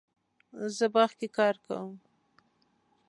زه باغ کې کار کوم